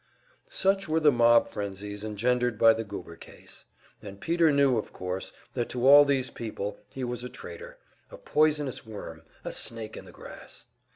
Such were the mob frenzies engendered by the Goober case; and Peter knew, of course, that to all these people he was a traitor, a poisonous worm, a snake in the grass.